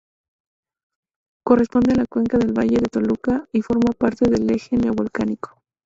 Corresponde a la cuenca del Valle de Toluca y forma parte del Eje Neovolcánico.